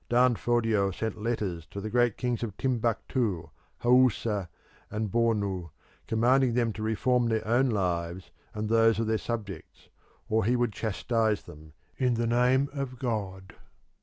Dan Fodio sent letters to the great kings of Timbuktu, Haoussa, and Bornu, commanding them to reform their own lives and those of their subjects, or he would chastise them in the name of God.